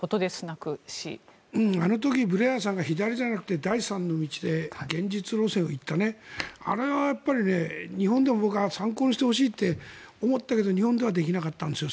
あの時、ブレアさんが左じゃなくて第三の道で現実路線を行ったあれは日本でも僕は参考にしてほしいって思ったけど日本ではできなかったんですよ。